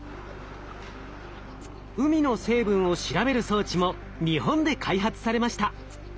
海の成分を調べる装置も日本で開発されました。